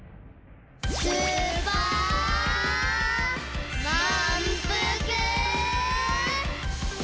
スーパーまんぷくビーム！